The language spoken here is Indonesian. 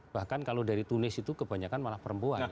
bahkan kalau dari tunis itu kebanyakan malah perempuan